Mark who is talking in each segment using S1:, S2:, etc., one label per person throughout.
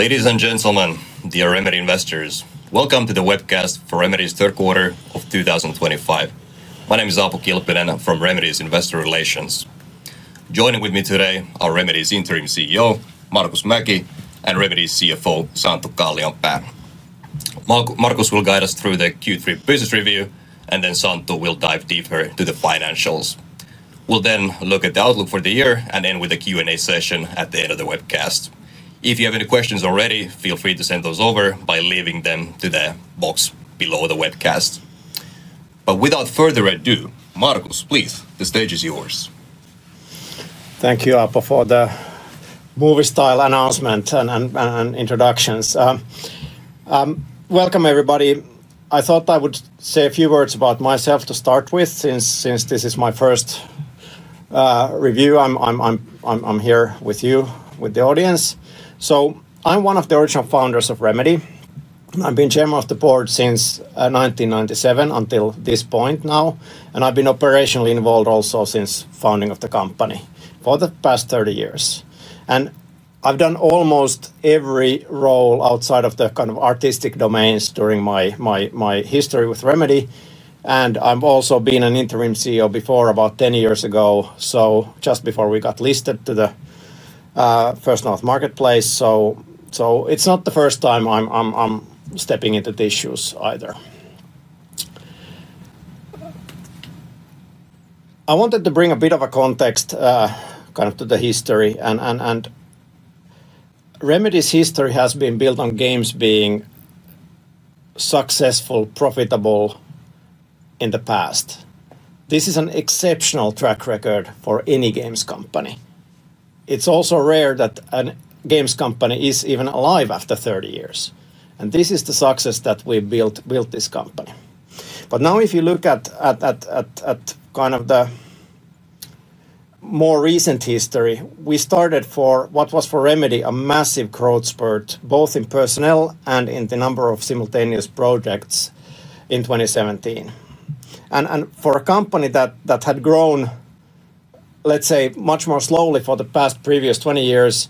S1: Ladies and gentlemen, dear Remedy investors, welcome to the webcast for Remedy's third quarter of 2025. My name is Aapo Kilpinen from Remedy's Investor Relations. Joining me today are Remedy's Interim CEO, Markus Mäki, and Remedy's CFO, Santtu Kallionpää. Markus will guide us through the Q3 business review, and then Santtu will dive deeper into the financials. We'll then look at the outlook for the year and end with a Q&A session at the end of the webcast. If you have any questions already, feel free to send those over by leaving them in the box below the webcast. Without further ado, Markus, please, the stage is yours.
S2: Thank you, Aapo, for the movie-style announcement and introductions. Welcome, everybody. I thought I would say a few words about myself to start with, since this is my first review. I'm here with you, with the audience. I'm one of the original Founders of Remedy. I've been Chairman of the Board since 1997 until this point now, and I've been operationally involved also since the founding of the company for the past 30 years. I've done almost every role outside of the kind of artistic domains during my history with Remedy. I've also been an Interim CEO before, about 10 years ago, just before we got listed to the First North Marketplace. It's not the first time I'm stepping into the issues either. I wanted to bring a bit of context to the history. Remedy's history has been built on games being successful, profitable in the past. This is an exceptional track record for any games company. It's also rare that a games company is even alive after 30 years. This is the success that we built this company. If you look at the more recent history, we started what was for Remedy a massive growth spurt, both in personnel and in the number of simultaneous projects in 2017. For a company that had grown, let's say, much more slowly for the previous 20 years,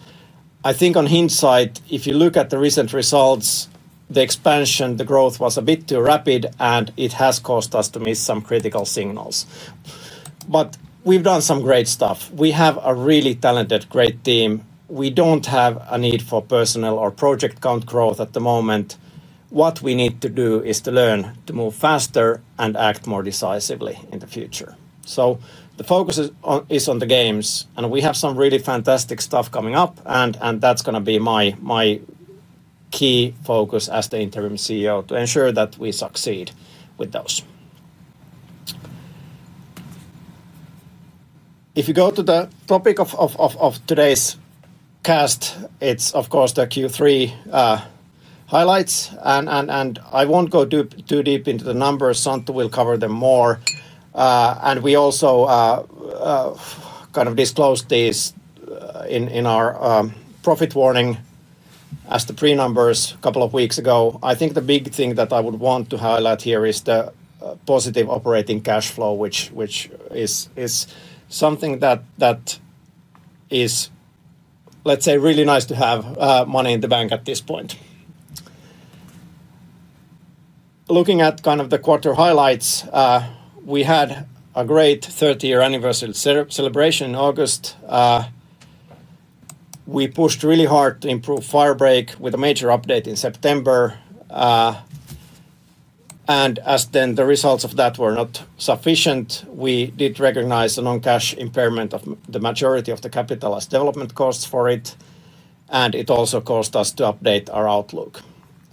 S2: I think in hindsight, if you look at the recent results, the expansion, the growth was a bit too rapid, and it has caused us to miss some critical signals. We've done some great stuff. We have a really talented, great team. We don't have a need for personnel or project count growth at the moment. What we need to do is to learn to move faster and act more decisively in the future. The focus is on the games, and we have some really fantastic stuff coming up, and that's going to be my key focus as the Interim CEO to ensure that we succeed with those. If you go to the topic of today's cast, it's, of course, the Q3 highlights. I won't go too deep into the numbers. Santtu will cover them more. We also disclosed these in our profit warning as the pre-numbers a couple of weeks ago. I think the big thing that I would want to highlight here is the positive operating cash flow, which is something that is, let's say, really nice to have, money in the bank at this point. Looking at the quarter highlights, we had a great 30-year anniversary celebration in August. We pushed really hard to improve Firebreak with a major update in September. As the results of that were not sufficient, we did recognize the non-cash impairment of the majority of the capital as development costs for it. It also caused us to update our outlook.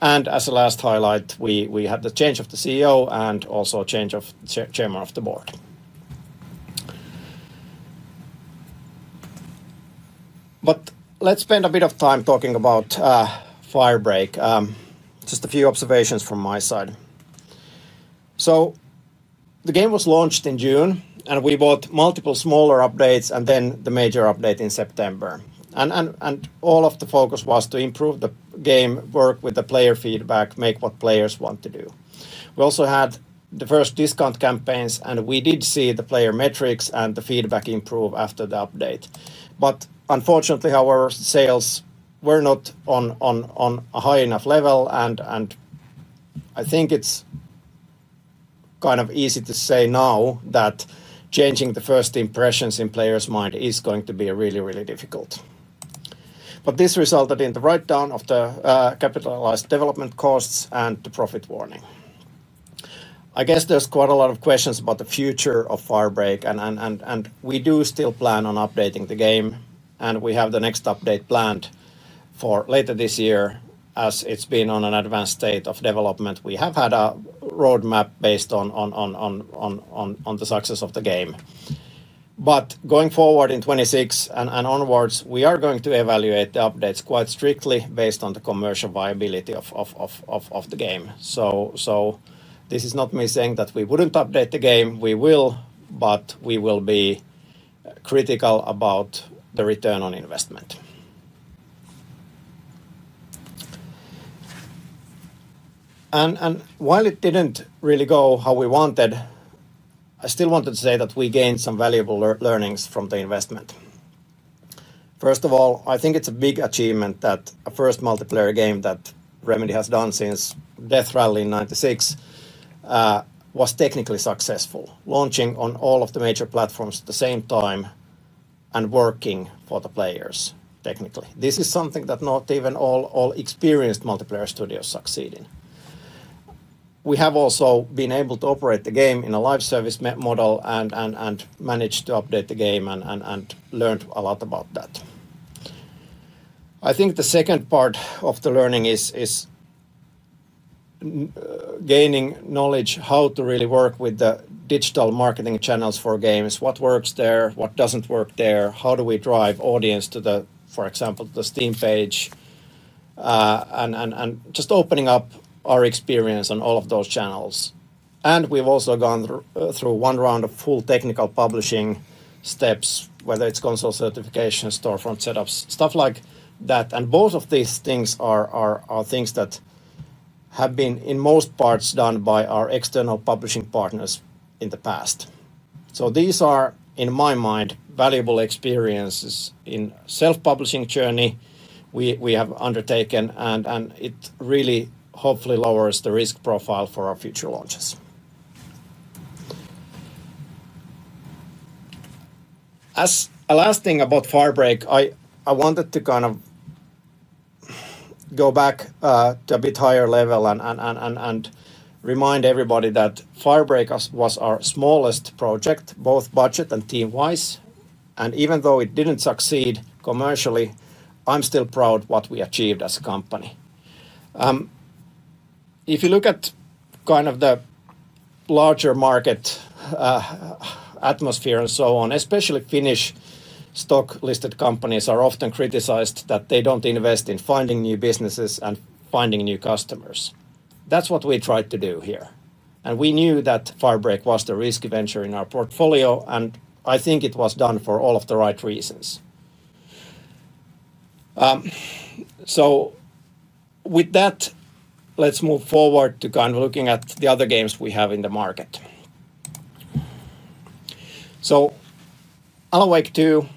S2: As a last highlight, we had the change of the CEO and also a change of Chairman of the Board. Let's spend a bit of time talking about Firebreak. Just a few observations from my side. The game was launched in June, and we brought multiple smaller updates and then the major update in September. All of the focus was to improve the game, work with the player feedback, make what players want to do. We also had the first discount campaigns, and we did see the player metrics and the feedback improve after the update. Unfortunately, our sales were not on a high enough level, and I think it's kind of easy to say now that changing the first impressions in players' minds is going to be really, really difficult. This resulted in the write-down of the capitalized development costs and the profit warning. I guess there's quite a lot of questions about the future of Firebreak, and we do still plan on updating the game, and we have the next update planned for later this year as it's been in an advanced state of development. We have had a roadmap based on the success of the game. Going forward in 2026 and onwards, we are going to evaluate the updates quite strictly based on the commercial viability of the game. This is not me saying that we wouldn't update the game. We will, but we will be critical about the return on investment. While it didn't really go how we wanted, I still wanted to say that we gained some valuable learnings from the investment. First of all, I think it's a big achievement that a first multiplayer game that Remedy has done since Death Rally in 1996 was technically successful, launching on all of the major platforms at the same time and working for the players technically. This is something that not even all experienced multiplayer studios succeed in. We have also been able to operate the game in a live service model and managed to update the game and learned a lot about that. I think the second part of the learning is gaining knowledge on how to really work with the digital marketing channels for games, what works there, what doesn't work there, how do we drive audience to, for example, the Steam page, and just opening up our experience on all of those channels. We have also gone through one round of full technical publishing steps, whether it's console certification, storefront setups, stuff like that. Both of these things have been, in most parts, done by our external publishing partners in the past. These are, in my mind, valuable experiences in the self-publishing journey we have undertaken, and it really hopefully lowers the risk profile for our future launches. As a last thing about Firebreak, I wanted to go back to a bit higher level and remind everybody that Firebreak was our smallest project, both budget and team-wise. Even though it didn't succeed commercially, I'm still proud of what we achieved as a company. If you look at the larger market atmosphere and so on, especially Finnish stock-listed companies are often criticized that they don't invest in finding new businesses and finding new customers. That's what we tried to do here. We knew that Firebreak was the risky venture in our portfolio, and I think it was done for all of the right reasons. Let's move forward to looking at the other games we have in the market. Alan Wake 2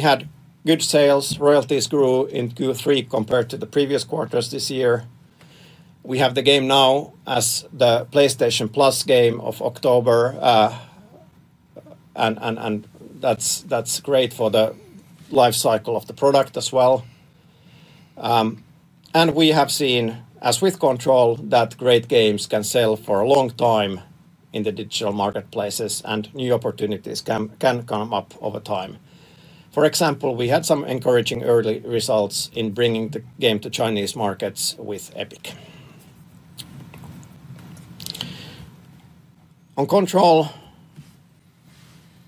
S2: had good sales. Royalties grew in Q3 compared to the previous quarters this year. We have the game now as the PlayStation Plus Game for October, and that's great for the life cycle of the product as well. We have seen, as with Control, that great games can sell for a long time in the digital marketplaces, and new opportunities can come up over time. For example, we had some encouraging early results in bringing the game to Chinese markets with Epic. On Control,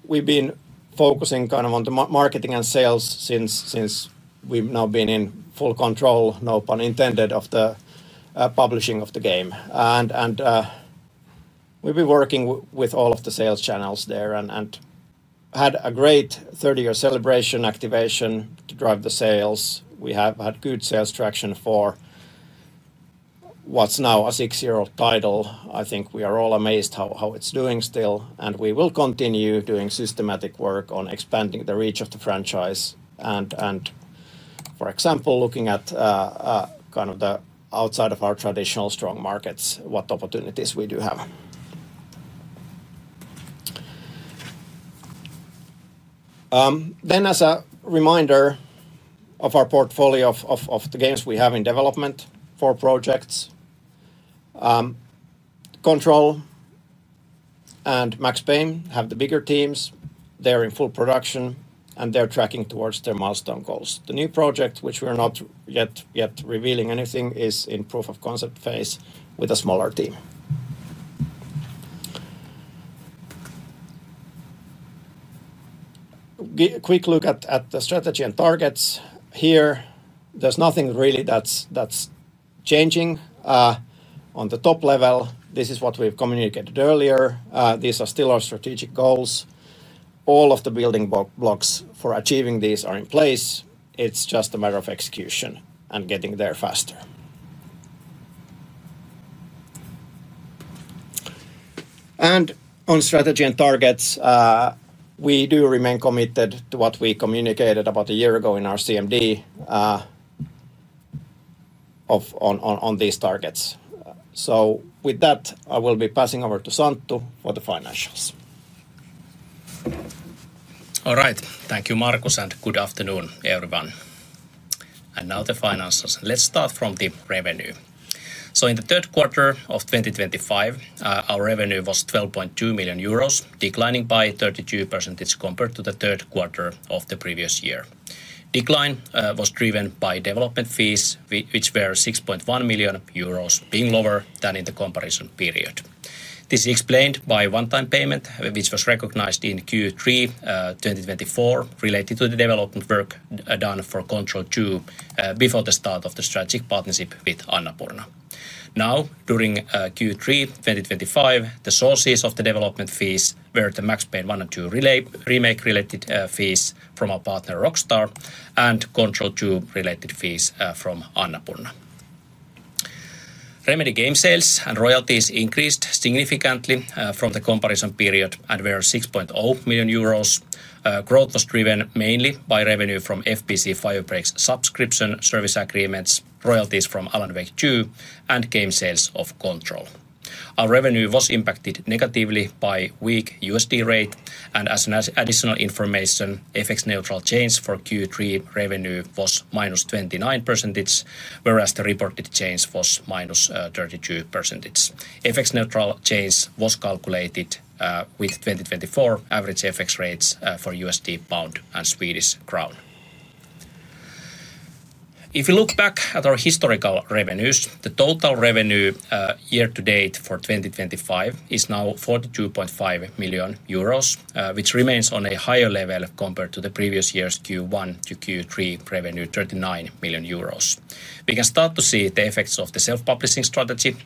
S2: we've been focusing on the marketing and sales since we've now been in full control, no pun intended, of the publishing of the game. We've been working with all of the sales channels there and had a great 30-year celebration activation to drive the sales. We have had good sales traction for what's now a six-year-old title. I think we are all amazed how it's doing still, and we will continue doing systematic work on expanding the reach of the franchise and, for example, looking at the outside of our traditional strong markets, what opportunities we do have. As a reminder of our portfolio of the games we have in development for projects, Control and Max Payne have the bigger teams. They're in full production, and they're tracking towards their milestone goals. The new project, which we're not yet revealing anything, is in proof of concept phase with a smaller team. A quick look at the strategy and targets. Here, there's nothing really that's changing. On the top level, this is what we've communicated earlier. These are still our strategic goals. All of the building blocks for achieving these are in place. It is just a matter of execution and getting there faster. On strategy and targets, we do remain committed to what we communicated about a year ago in our CMD on these targets. With that, I will be passing over to Santtu for the financials.
S3: All right. Thank you, Markus, and good afternoon, everyone. Now the financials. Let's start from the revenue. In the third quarter of 2025, our revenue was 12.2 million euros, declining by 32% compared to the third quarter of the previous year. The decline was driven by development fees, which were 6.1 million euros, being lower than in the comparison period. This is explained by a one-time payment, which was recognized in Q3 2024 related to the development work done for Control 2 before the start of the strategic partnership with Annapurna. During Q3 2025, the sources of the development fees were the Max Payne 1 & 2 Remake-related fees from our partner Rockstar and Control 2-related fees from Annapurna. Remedy game sales and royalties increased significantly from the comparison period and were 6.0 million euros. Growth was driven mainly by revenue from FBC: Firebreak's subscription service agreements, royalties from Alan Wake 2, and game sales of Control. Our revenue was impacted negatively by a weak USD rate. As additional information, FX neutral change for Q3 revenue was -29%, whereas the reported change was -32%. FX neutral change was calculated with 2024 average FX rates for USD, pound, and Swedish crown. If you look back at our historical revenues, the total revenue year to date for 2025 is now 42.5 million euros, which remains on a higher level compared to the previous year's Q1 to Q3 revenue, 39 million euros. We can start to see the effects of the self-publishing strategy,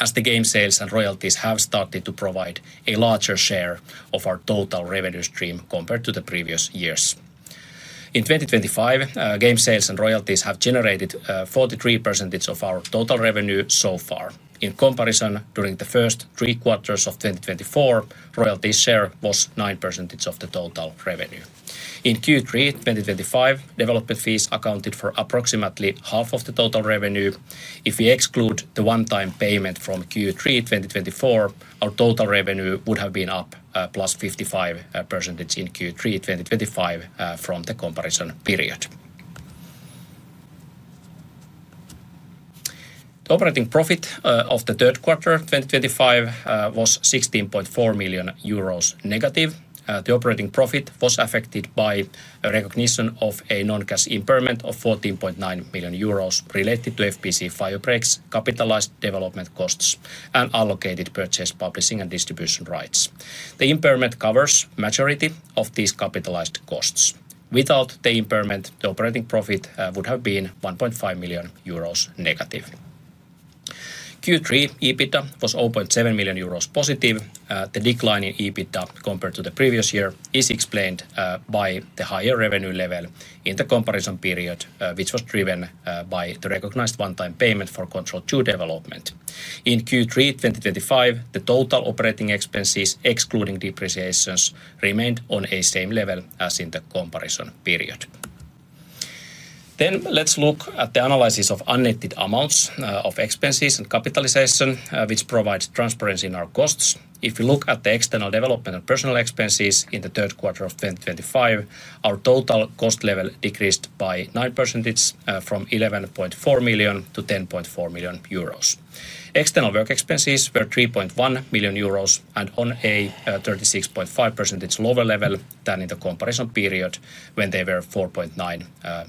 S3: as the game sales and royalties have started to provide a larger share of our total revenue stream compared to the previous years. In 2025, game sales and royalties have generated 43% of our total revenue so far. In comparison, during the first three quarters of 2024, royalties' share was 9% of the total revenue. In Q3 2025, development fees accounted for approximately half of the total revenue. If we exclude the one-time payment from Q3 2024, our total revenue would have been up +55% in Q3 2025 from the comparison period. The operating profit of the third quarter 2025 was -16.4 million euros. The operating profit was affected by recognition of a non-cash impairment of 14.9 million euros related to FBC: Firebreak's capitalized development costs and allocated purchase, publishing, and distribution rights. The impairment covers the majority of these capitalized costs. Without the impairment, the operating profit would have been -1.5 million euros. Q3 EBITDA was +0.7 million euros. The decline in EBITDA compared to the previous year is explained by the higher revenue level in the comparison period, which was driven by the recognized one-time payment for Control 2 development. In Q3 2025, the total operating expenses, excluding depreciations, remained on the same level as in the comparison period. Let's look at the analysis of unneeded amounts of expenses and capitalization, which provides transparency in our costs. If you look at the external development and personnel expenses in the third quarter of 2025, our total cost level decreased by 9% from 11.4 million to 10.4 million euros. External work expenses were 3.1 million euros and on a 36.5% lower level than in the comparison period when they were 4.9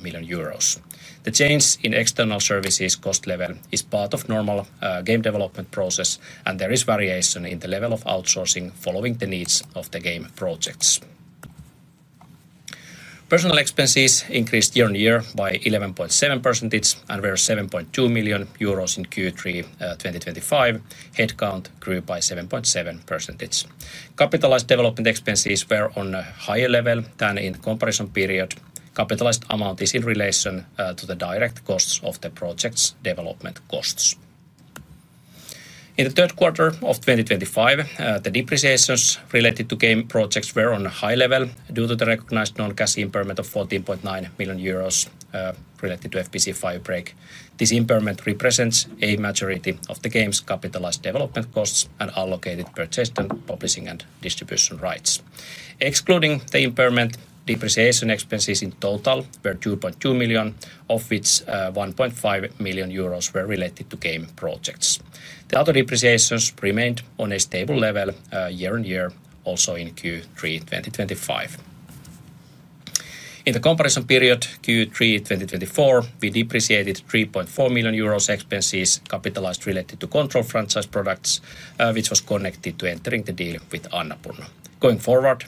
S3: million euros. The change in external services cost level is part of the normal game development process, and there is variation in the level of outsourcing following the needs of the game projects. Personnel expenses increased year on year by 11.7% and were 7.2 million euros in Q3 2025. Headcount grew by 7.7%. Capitalized development expenses were on a higher level than in the comparison period. Capitalized amount is in relation to the direct costs of the project's development costs. In the third quarter of 2025, the depreciations related to game projects were on a high level due to the recognized non-cash impairment of 14.9 million euros related to FBC: Firebreak. This impairment represents a majority of the game's capitalized development costs and allocated purchase, publishing, and distribution rights. Excluding the impairment, depreciation expenses in total were 2.2 million, of which 1.5 million euros were related to game projects. The other depreciations remained on a stable level year on year, also in Q3 2025. In the comparison period Q3 2024, we depreciated 3.4 million euros expenses capitalized related to Control franchise products, which was connected to entering the deal with Annapurna. Going forward,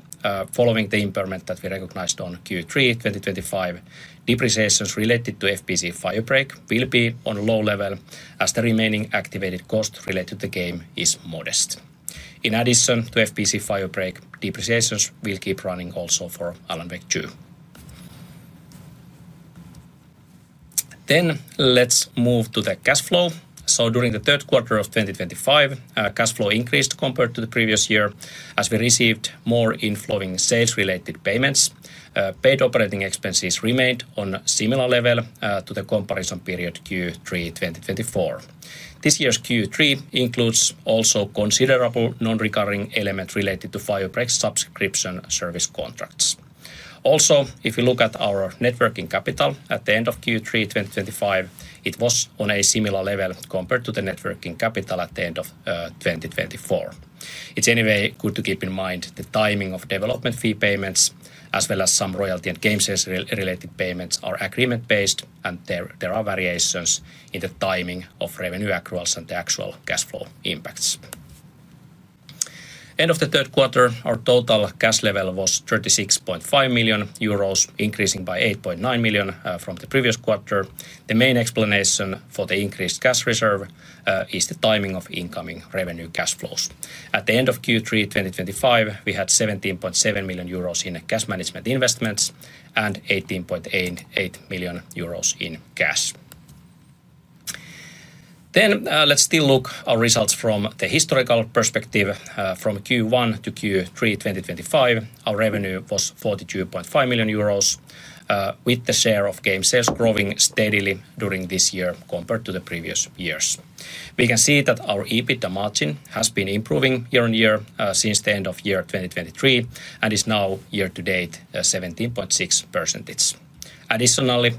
S3: following the impairment that we recognized in Q3 2025, depreciations related to FBC: Firebreak will be on a low level, as the remaining activated cost related to the game is modest. In addition to FBC: Firebreak, depreciations will keep running also for Alan Wake 2. Let's move to the cash flow. During the third quarter of 2025, cash flow increased compared to the previous year as we received more inflowing sales-related payments. Paid operating expenses remained on a similar level to the comparison period Q3 2024. This year's Q3 includes also considerable non-recurring elements related to Firebreak's subscription service contracts. Also, if you look at our networking capital at the end of Q3 2025, it was on a similar level compared to the networking capital at the end of 2024. It's anyway good to keep in mind the timing of development fee payments, as well as some royalty and game sales-related payments are agreement-based, and there are variations in the timing of revenue accruals and the actual cash flow impacts. End of the third quarter, our total cash level was 36.5 million euros, increasing by 8.9 million from the previous quarter. The main explanation for the increased cash reserve is the timing of incoming revenue cash flows. At the end of Q3 2025, we had 17.7 million euros in cash management investments and 18.8 million euros in cash. Let's still look at our results from the historical perspective. From Q1 to Q3 2025, our revenue was 42.5 million euros, with the share of game sales growing steadily during this year compared to the previous years. We can see that our EBITDA margin has been improving year on year since the end of year 2023 and is now year to date 17.6%. Additionally,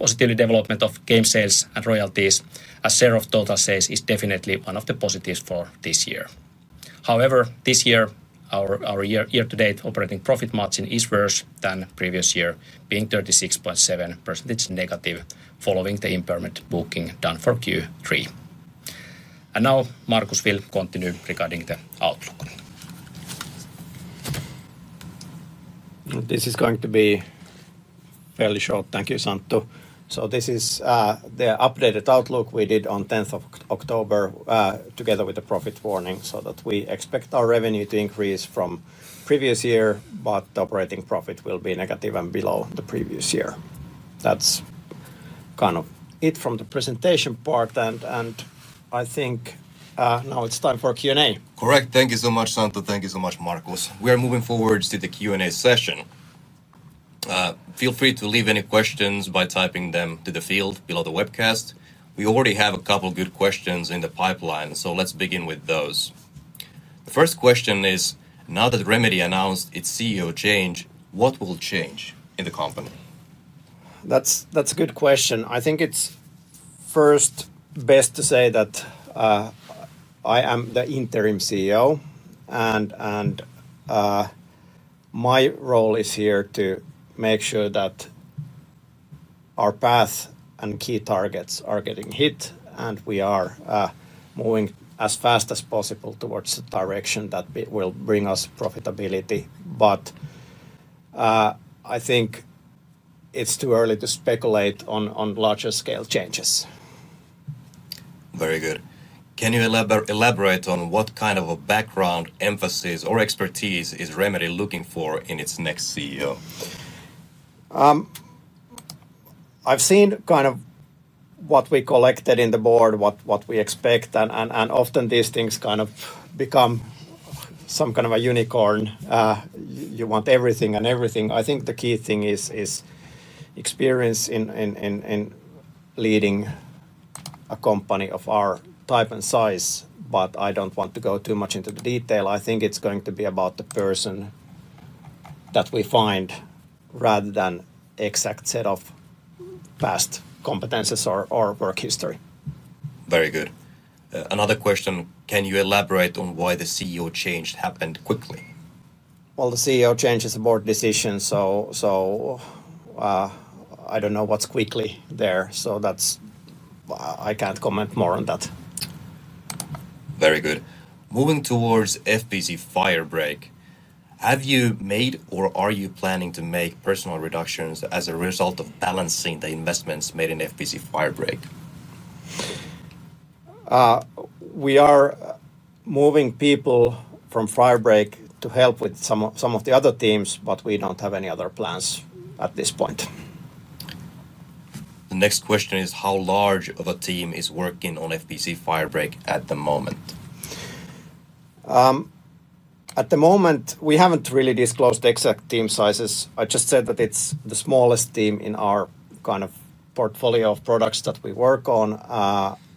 S3: positively, development of game sales and royalties as share of total sales is definitely one of the positives for this year. However, this year, our year-to-date operating profit margin is worse than the previous year, being 36.7%- following the impairment booking done for Q3. Now, Markus will continue regarding the outlook.
S2: This is going to be fairly short. Thank you, Santtu. This is the updated outlook we did on 10th of October together with the profit warning, so that we expect our revenue to increase from the previous year, but the operating profit will be negative and below the previous year. That's kind of it from the presentation part, and I think now it's time for Q&A.
S1: Correct. Thank you so much, Santtu. Thank you so much, Markus. We are moving forward to the Q&A session. Feel free to leave any questions by typing them in the field below the webcast. We already have a couple of good questions in the pipeline, so let's begin with those. The first question is, now that Remedy announced its CEO change, what will change in the company?
S2: That's a good question. I think it's first best to say that I am the Interim CEO, and my role is here to make sure that our path and key targets are getting hit, and we are moving as fast as possible towards the direction that will bring us profitability. I think it's too early to speculate on larger scale changes.
S1: Very good. Can you elaborate on what kind of a background, emphasis, or expertise is Remedy looking for in its next CEO?
S2: I've seen kind of what we collected in the Board, what we expect, and often these things kind of become some kind of a unicorn. You want everything and everything. I think the key thing is experience in leading a company of our type and size, but I don't want to go too much into the detail. I think it's going to be about the person that we find rather than an exact set of past competencies or work history.
S1: Very good. Another question. Can you elaborate on why the CEO change happened quickly?
S2: The CEO change is a Board decision, so I don't know what's quickly there. I can't comment more on that.
S1: Very good. Moving towards FBC: Firebreak, have you made or are you planning to make personnel reductions as a result of balancing the investments made in FBC: Firebreak?
S2: We are moving people from Firebreak to help with some of the other teams, but we don't have any other plans at this point.
S1: The next question is, how large of a team is working on FBC: Firebreak at the moment?
S2: At the moment, we haven't really disclosed the exact team sizes. I just said that it's the smallest team in our kind of portfolio of products that we work on,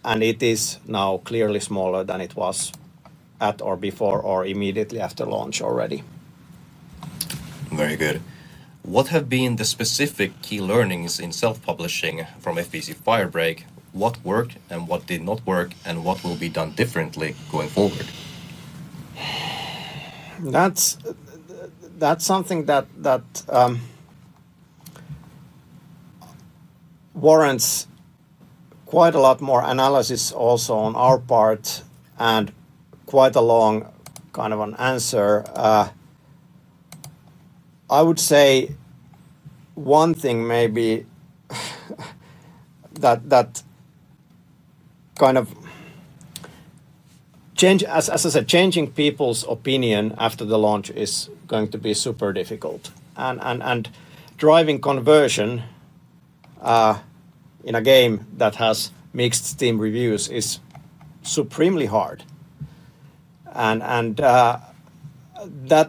S2: and it is now clearly smaller than it was at or before or immediately after launch already.
S1: Very good. What have been the specific key learnings in self-publishing from FBC: Firebreak? What worked and what did not work, and what will be done differently going forward?
S2: That's something that warrants quite a lot more analysis also on our part and quite a long kind of an answer. I would say one thing maybe that kind of change, as I said, changing people's opinion after the launch is going to be super difficult. Driving conversion in a game that has mixed team reviews is supremely hard. That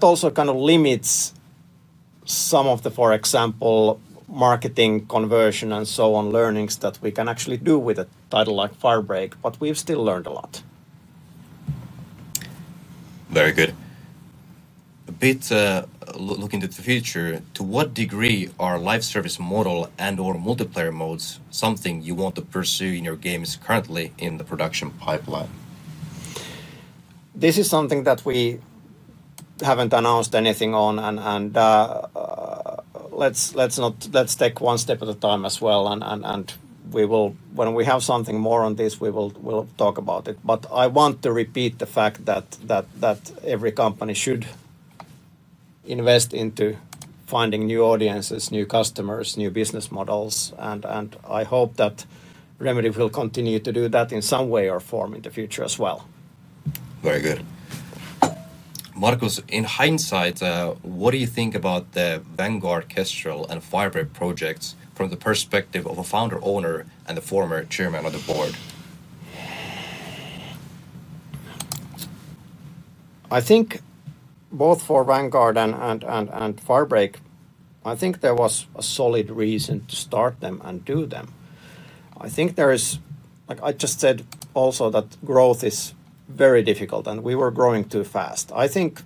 S2: also kind of limits some of the, for example, marketing conversion and so on learnings that we can actually do with a title like Firebreak, but we've still learned a lot.
S1: Very good. A bit looking into the future, to what degree are live service model and/or multiplayer modes something you want to pursue in your games currently in the production pipeline?
S2: This is something that we haven't announced anything on. Let's take one step at a time as well, and when we have something more on this, we will talk about it. I want to repeat the fact that every company should invest into finding new audiences, new customers, new business models, and I hope that Remedy will continue to do that in some way or form in the future as well.
S1: Very good. Markus, in hindsight, what do you think about the Vanguard, Kestrel, and Firebreak projects from the perspective of a Founder-owner and the former Chairman of the Board?
S2: I think both for Vanguard and Firebreak, there was a solid reason to start them and do them. I think there is, like I just said also, that growth is very difficult, and we were growing too fast. I think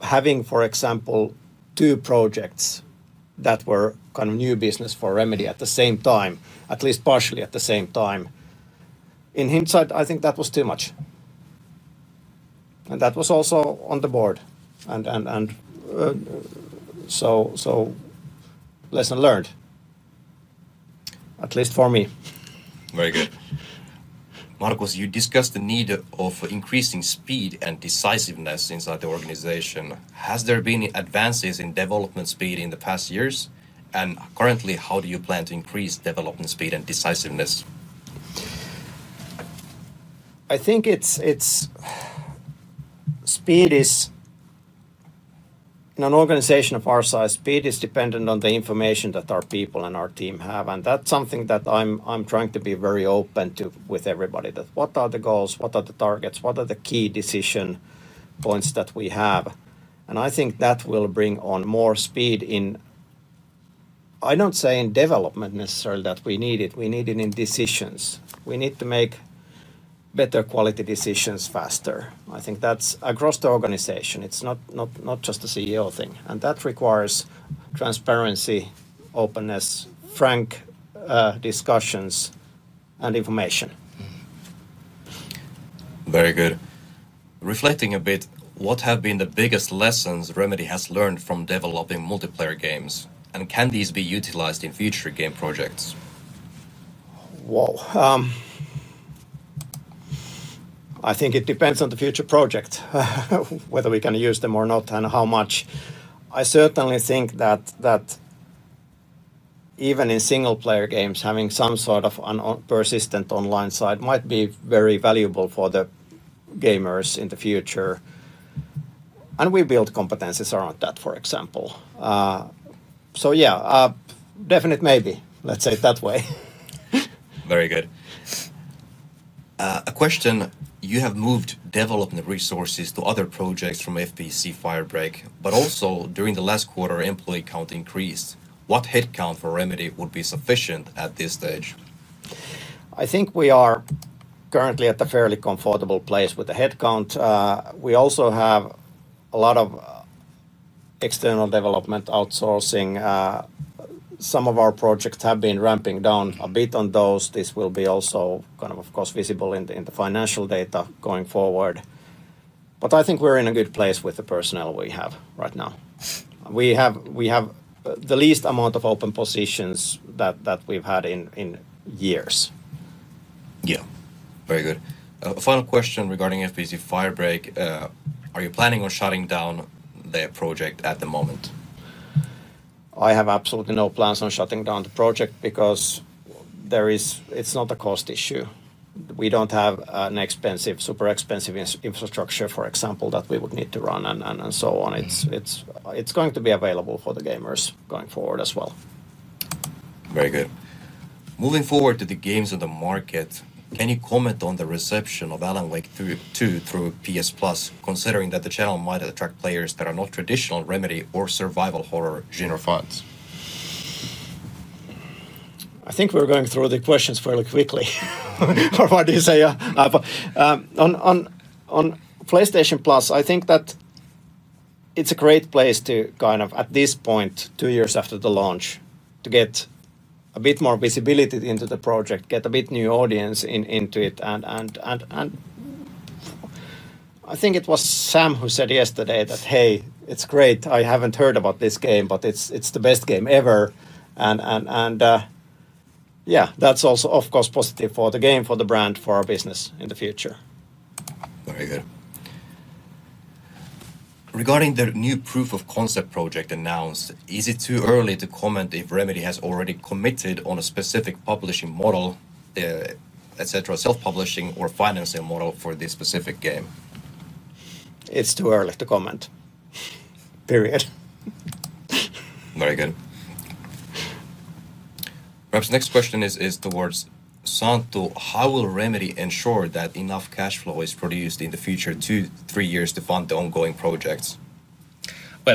S2: having, for example, two projects that were kind of new business for Remedy at the same time, at least partially at the same time, in hindsight, I think that was too much. That was also on the Board, so lesson learned, at least for me.
S1: Very good. Markus, you discussed the need of increasing speed and decisiveness inside the organization. Has there been advances in development speed in the past years, and currently, how do you plan to increase development speed and decisiveness?
S2: I think speed is, in an organization of our size, speed is dependent on the information that our people and our team have, and that's something that I'm trying to be very open to with everybody. What are the goals? What are the targets? What are the key decision points that we have? I think that will bring on more speed in, I don't say in development necessarily that we need it. We need it in decisions. We need to make better quality decisions faster. I think that's across the organization. It's not just a CEO thing, and that requires transparency, openness, frank discussions, and information.
S1: Very good. Reflecting a bit, what have been the biggest lessons Remedy has learned from developing multiplayer games, and can these be utilized in future game projects?
S2: I think it depends on the future project, whether we can use them or not and how much. I certainly think that even in single-player games, having some sort of persistent online side might be very valuable for the gamers in the future, and we build competencies around that, for example. Yeah, definite maybe. Let's say it that way.
S1: Very good. A question. You have moved development resources to other projects from FBC: Firebreak, but also during the last quarter, employee count increased. What headcount for Remedy would be sufficient at this stage?
S2: I think we are currently at a fairly comfortable place with the headcount. We also have a lot of external development outsourcing. Some of our projects have been ramping down a bit on those. This will also, of course, be visible in the financial data going forward. I think we're in a good place with the personnel we have right now. We have the least amount of open positions that we've had in years.
S1: Yeah. Very good. A final question regarding FBC: Firebreak. Are you planning on shutting down their project at the moment?
S2: I have absolutely no plans on shutting down the project because it's not a cost issue. We don't have an expensive, super expensive infrastructure, for example, that we would need to run, and so on. It's going to be available for the gamers going forward as well.
S1: Very good. Moving forward to the games on the market, can you comment on the reception of Alan Wake 2 through PS Plus, considering that the channel might attract players that are not traditional Remedy or survival horror genre fans?
S2: I think we're going through the questions fairly quickly. What do you say, Aapo? On PlayStation Plus, I think that it's a great place to, at this point, two years after the launch, get a bit more visibility into the project and get a bit new audience into it. I think it was Sam who said yesterday that, hey, it's great. I haven't heard about this game, but it's the best game ever. That's also, of course, positive for the game, for the brand, for our business in the future.
S1: Very good. Regarding the new proof of concept project announced, is it too early to comment if Remedy has already committed on a specific publishing model, etc., self-publishing or financing model for this specific game?
S2: It's too early to comment.
S1: Very good. Perhaps the next question is towards Santtu. How will Remedy ensure that enough cash flow is produced in the future two to three years to fund the ongoing projects?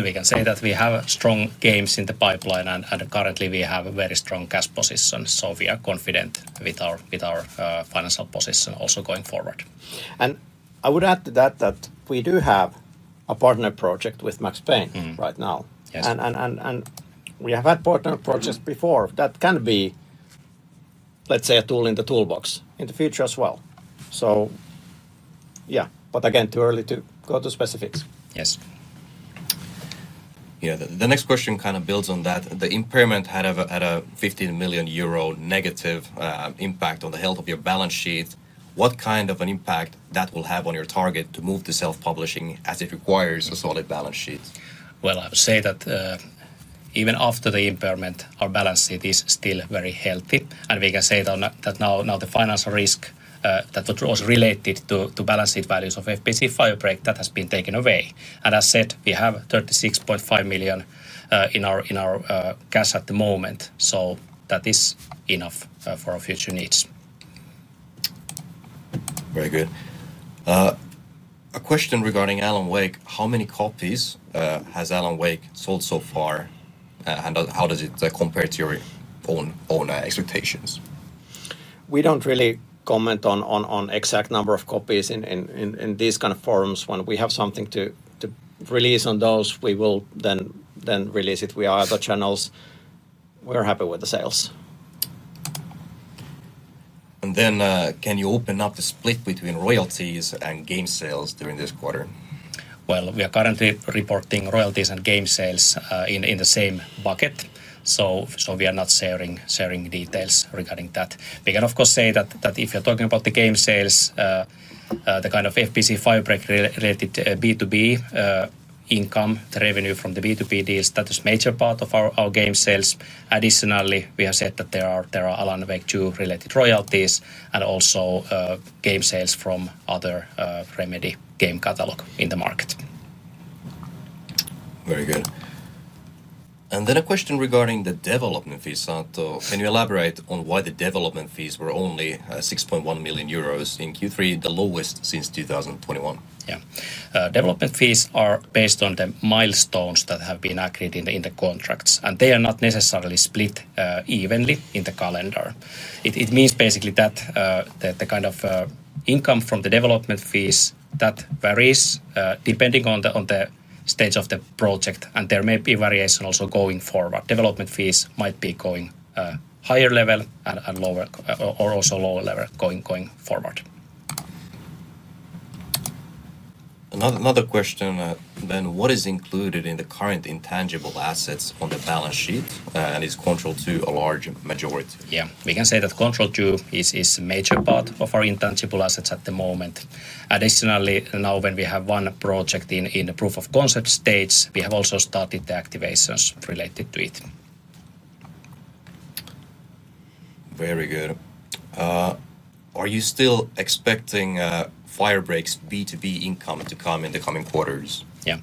S3: We can say that we have strong games in the pipeline, and currently we have a very strong cash position, so we are confident with our financial position also going forward.
S2: I would add to that that we do have a partner project with Max Payne right now. We have had partner projects before that can be, let's say, a tool in the toolbox in the future as well. Yeah, again, too early to go to specifics.
S1: Yes. The next question kind of builds on that. The impairment had a 15 million euro negative impact on the health of your balance sheet. What kind of an impact will that have on your target to move to self-publishing as it requires a solid balance sheet?
S3: I would say that even after the impairment, our balance sheet is still very healthy. We can say that now the financial risk that was related to balance sheet values of FBC: Firebreak, that has been taken away. As I said, we have 36.5 million in our cash at the moment, so that is enough for our future needs.
S1: Very good. A question regarding Alan Wake. How many copies has Alan Wake sold so far, and how does it compare to your own expectations?
S2: We don't really comment on the exact number of copies in these kind of forums. When we have something to release on those, we will then release it via other channels. We're happy with the sales.
S1: Could you open up the split between royalties and game sales during this quarter?
S3: We are currently reporting royalties and game sales in the same bucket, so we are not sharing details regarding that. We can, of course, say that if you're talking about the game sales, the kind of FBC: Firebreak-related B2B income, the revenue from the B2B deals, that is a major part of our game sales. Additionally, we have said that there are Alan Wake 2-related royalties and also game sales from other Remedy game catalogs in the market.
S1: Very good. A question regarding the development fee, Santtu. Can you elaborate on why the development fees were only 6.1 million euros in Q3, the lowest since 2021?
S3: Yeah. Development fees are based on the milestones that have been accurate in the contracts, and they are not necessarily split evenly in the calendar. It means basically that the kind of income from the development fees varies depending on the stage of the project, and there may be variation also going forward. Development fees might be going higher level and lower or also lower level going forward.
S1: Another question then. What is included in the current intangible assets on the balance sheet, and is Control 2 a large majority?
S3: Yeah, we can say that Control 2 is a major part of our intangible assets at the moment. Additionally, now when we have one project in the proof of concept stage, we have also started the activations related to it.
S1: Very good. Are you still expecting Firebreak's B2B income to come in the coming quarters?
S3: Yeah.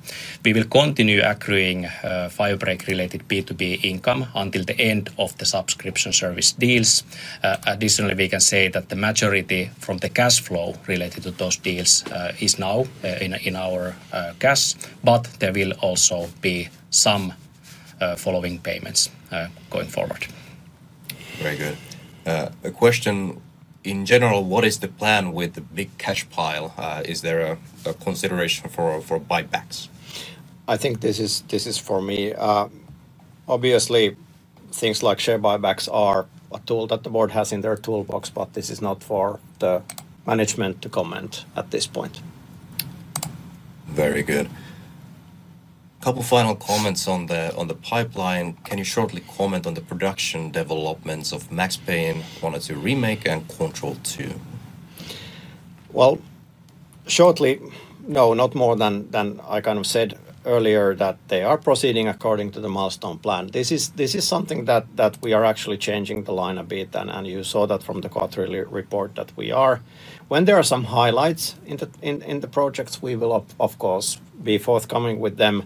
S3: We will continue accruing Firebreak-related B2B income until the end of the subscription service deals. Additionally, we can say that the majority from the cash flow related to those deals is now in our cash, but there will also be some following payments going forward.
S1: Very good. A question. In general, what is the plan with the big cash pile? Is there a consideration for buybacks?
S2: I think this is for me. Obviously, things like share buybacks are a tool that the Board has in their toolbox, but this is not for the management to comment at this point.
S1: Very good. A couple of final comments on the pipeline. Can you shortly comment on the production developments of Max Payne 1 & 2 Remake and Control 2?
S2: No, not more than I kind of said earlier that they are proceeding according to the milestone plan. This is something that we are actually changing the line a bit, and you saw that from the quarterly report that we are. When there are some highlights in the projects, we will, of course, be forthcoming with them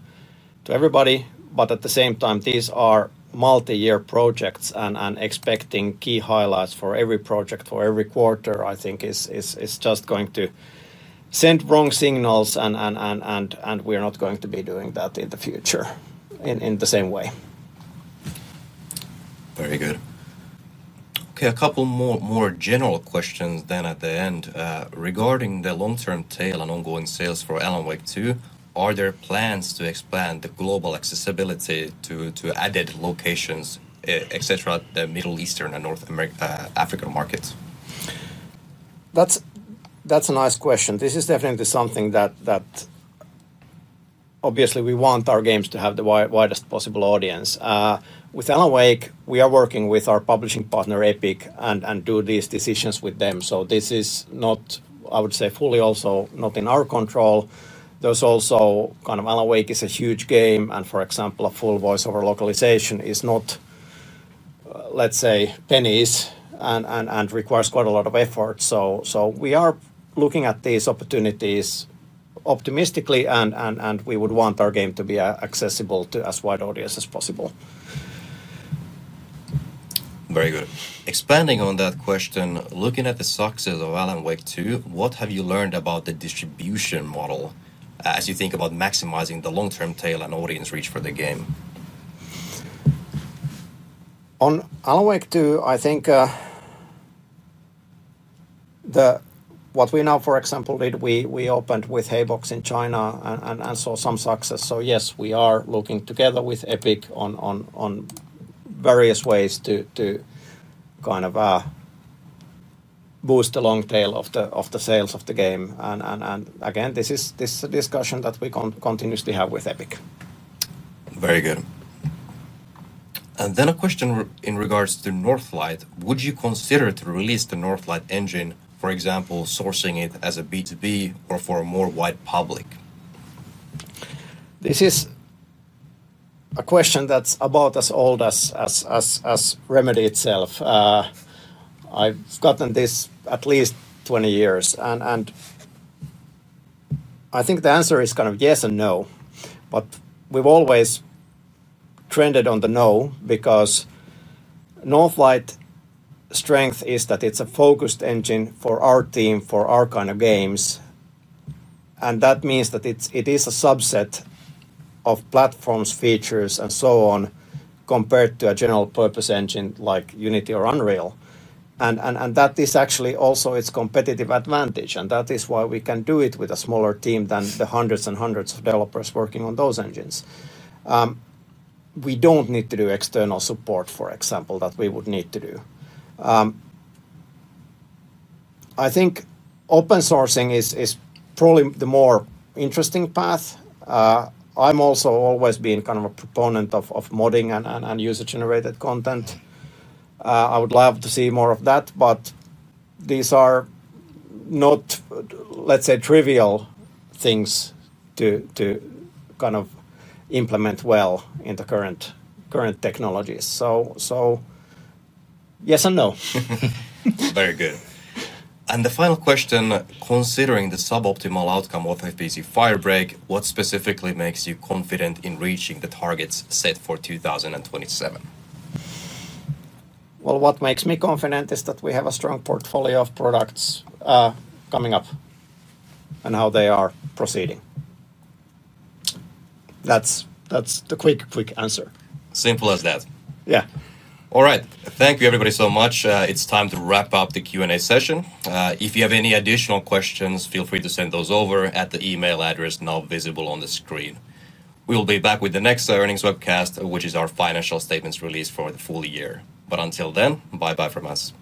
S2: to everybody. At the same time, these are multi-year projects, and expecting key highlights for every project for every quarter, I think, is just going to send wrong signals, and we are not going to be doing that in the future in the same way.
S1: Very good. Okay, a couple more general questions then at the end. Regarding the long-term tail and ongoing sales for Alan Wake 2, are there plans to expand the global accessibility to added locations, etc., the Middle Eastern and North African markets?
S2: That's a nice question. This is definitely something that obviously we want our games to have the widest possible audience. With Alan Wake, we are working with our publishing partner Epic and do these decisions with them. This is not, I would say, fully also not in our control. There's also kind of Alan Wake is a huge game, and for example, a full voiceover localization is not, let's say, pennies and requires quite a lot of effort. We are looking at these opportunities optimistically, and we would want our game to be accessible to as wide an audience as possible.
S1: Very good. Expanding on that question, looking at the success of Alan Wake 2, what have you learned about the distribution model as you think about maximizing the long-term tail and audience reach for the game?
S2: On Alan Wake 2, I think what we now, for example, did, we opened with Apple in China and saw some success. Yes, we are looking together with Epic on various ways to kind of boost the long tail of the sales of the game. This is a discussion that we continuously have with Epic.
S1: Very good. A question in regards to Northlight. Would you consider to release the Northlight engine, for example, sourcing it as a B2B or for a more wide public?
S2: This is a question that's about as old as Remedy itself. I've gotten this at least 20 years, and I think the answer is kind of yes and no, but we've always trended on the no because Northlight's strength is that it's a focused engine for our team, for our kind of games. That means that it is a subset of platforms, features, and so on compared to a general-purpose engine like Unity or Unreal. That is actually also its competitive advantage, and that is why we can do it with a smaller team than the hundreds and hundreds of developers working on those engines. We don't need to do external support, for example, that we would need to do. I think open sourcing is probably the more interesting path. I've also always been kind of a proponent of modding and user-generated content. I would love to see more of that, but these are not, let's say, trivial things to kind of implement well in the current technologies. Yes and no.
S1: Very good. The final question: Considering the suboptimal outcome of FBC: Firebreak, what specifically makes you confident in reaching the targets set for 2027?
S2: What makes me confident is that we have a strong portfolio of products coming up and how they are proceeding. That's the quick, quick answer.
S1: Simple as that.
S2: Yeah.
S1: All right. Thank you, everybody, so much. It's time to wrap up the Q&A session. If you have any additional questions, feel free to send those over at the email address now visible on the screen. We'll be back with the next earnings webcast, which is our financial statements release for the full year. Until then, bye-bye from us.